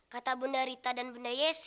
kau ayo ke padaku